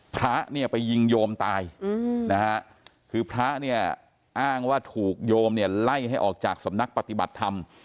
พระไปยิงโยมตายพระอ้างว่าถูกโยมไล่ให้ออกจากสำนักปฏิบัติธรรม